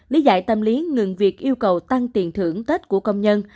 lý giải tâm lý ngừng việc yêu cầu tăng tiền thưởng tết của công nhân